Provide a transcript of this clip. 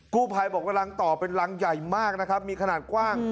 กู้ภัยบอกว่ารังต่อเป็นรังใหญ่มากนะครับมีขนาดกว้าง